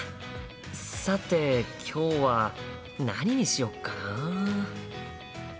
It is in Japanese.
さて今日は何にしよっかな？